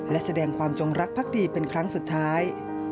และแสดงความจงรักภักดีเป็นครั้งสุดท้าย